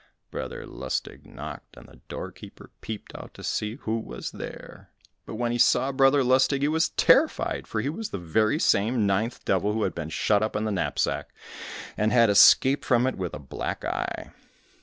Brother Lustig knocked, and the door keeper peeped out to see who was there. But when he saw Brother Lustig, he was terrified, for he was the very same ninth devil who had been shut up in the knapsack, and had escaped from it with a black eye.